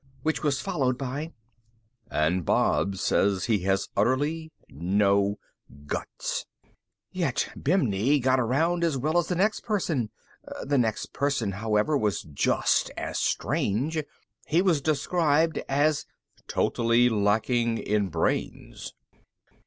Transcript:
_ Which was followed by: ... and Bob says he has utterly no guts. Yet Bibney got around as well as the next person. The next person, however, was just as strange. He was soon described as: _... totally lacking in brains.